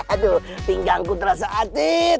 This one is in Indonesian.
aduh pinggangku terasa atit